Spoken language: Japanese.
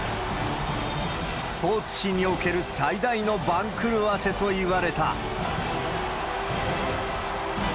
スポーツ史における最大の番狂わせといわれた。